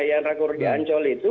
yang rakur di ancol itu